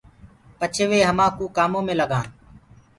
پڇي وي آمي همآڪوُ ڪآمو ڪمي لگآن۔